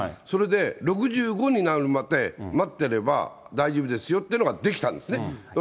それで６５になるまで待ってれば、大丈夫ですよっていうのが出来たんですね。